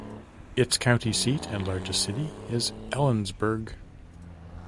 Its county seat and largest city is Ellensburg.